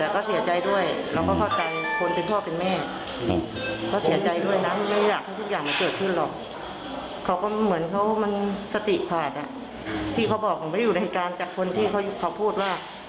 เขาก็เหมือนเขามันสติขาดที่เขาบอกผมไม่อยู่ในการจากคนที่เขาพูดว่า